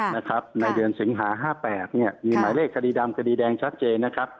ในเดือนสิงหา๕๘มีหมายเลขคดีดำคดีแดงชัดเจน